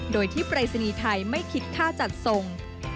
โดยที่ปรายศนีย์ไทยไม่คิดค่าจัดส่ง